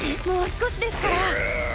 もう少しですから。